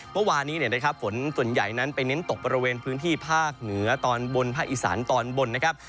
เมื่อวานนี้นะครับฝนส่วนใหญ่นั้นไปเน้นตกบริเวณพื้นที่ภาคเหนือตอนบนภาคอีสานตอนบนนะครับ